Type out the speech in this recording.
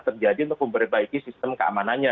terjadi untuk memperbaiki sistem keamanannya